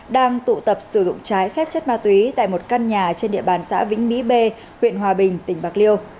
đang tụ tập sử dụng trái phép chất ma túy tại một căn nhà trên địa bàn xã vĩnh mỹ b huyện hòa bình tỉnh bạc liêu